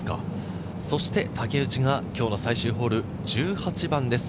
竹内が今日の最終ホール、１８番です。